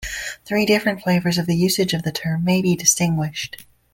Three different flavors of the usage of the term may be distinguished.